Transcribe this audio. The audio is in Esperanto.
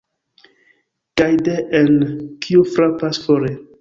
Kaj de-en: ""Kiu frapas fore?".